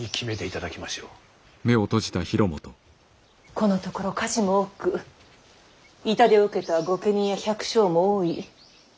このところ火事も多く痛手を受けた御家人や百姓も多い。